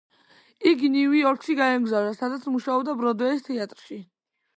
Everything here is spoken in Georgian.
იგი ნიუ-იორკში გაემგზავრა, სადაც მუშაობდა ბროდვეის თეატრში.